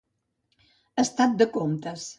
Estat de comptes.